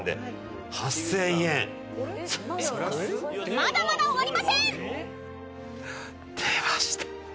［まだまだ終わりません！］出ました。